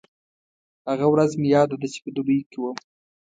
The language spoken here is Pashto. هغه ورځ مې یاده ده چې په دوبۍ کې وم.